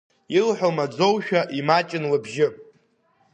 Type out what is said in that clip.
Илҳәо маӡоушәа имаҷын лыбжьы…